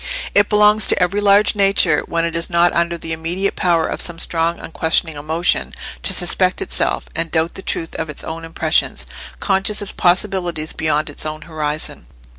It belongs to every large nature, when it is not under the immediate power of some strong unquestioning emotion, to suspect itself, and doubt the truth of its own impressions, conscious of possibilities beyond its own horizon.